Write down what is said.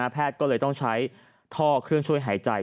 แพทย์ก็เลยต้องใช้ท่อเครื่องช่วยหายใจ